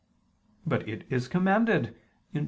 But it is commanded (Deut.